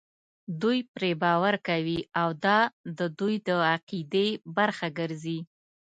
دوی پرې باور کوي او دا د دوی د عقیدې برخه ګرځي.